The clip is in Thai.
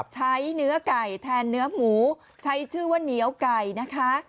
ใช้เนื้อไก่แทนเนื้อหมูใช้ชื่อว่าเหนียวไก่นะคะ